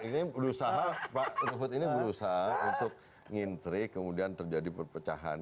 ini berusaha pak luhut ini berusaha untuk ngintri kemudian terjadi perpecahan